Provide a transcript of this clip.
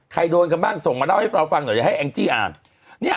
โดนกันบ้างส่งมาเล่าให้เราฟังหน่อยจะให้แองจี้อ่านเนี่ย